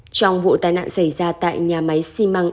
trong vụ tai nạn xảy ra tại nhà máy xi măng